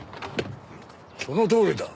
そのとおりだ。